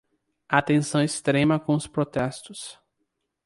Atenção extrema com os protestos